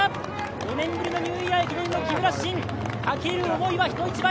５年ぶりのニューイヤー駅伝の木村慎、かける思いは人一倍。